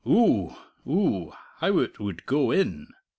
Ooh ooh, how it would go in!"